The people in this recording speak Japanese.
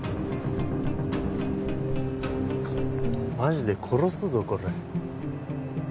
マジで殺すぞコラ。